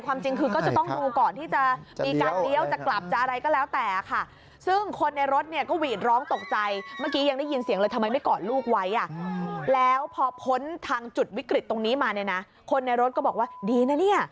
กริดตรงนี้มาเนี่ยนะคนในรถก็บอกว่าดีนะเนี่ย